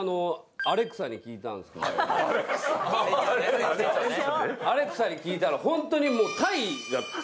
・アレクサ・アレクサに聞いたらホントにもう。